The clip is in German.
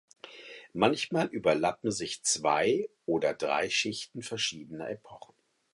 Manchmal überlappen sich zwei oder drei Schichten verschiedener Epochen.